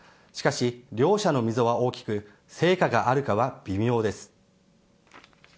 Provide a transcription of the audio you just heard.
しかし、両者の溝は大きく成果があるかは微妙です。